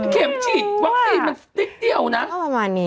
เข็มฉีดวัคซีมันสิ้นเดียวนะ